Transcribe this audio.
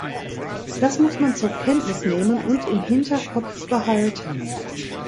Das muss man zur Kenntnis nehmen und im Hinterkopf behalten.